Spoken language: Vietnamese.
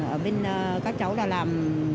ở bên các cháu là làm